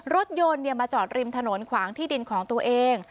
รถยนต์มาจอดริมถนนขวางที่ดินของตัวเอง